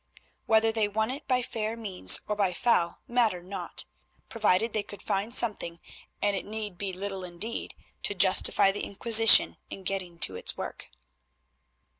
Whether they won it by fair means or by foul mattered not, provided they could find something, and it need be little indeed, to justify the Inquisition in getting to its work.